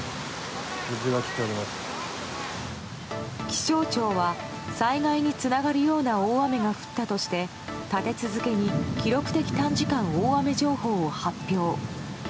気象庁は災害につながるような大雨が降ったとして立て続けに記録的短時間大雨情報を発表。